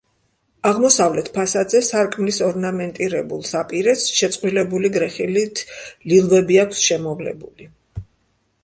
აღმოსავლეთ ფასადზე სარკმლის ორნამენტირებულ საპირეს შეწყვილებული გრეხილით ლილვები აქვს შემოვლებული.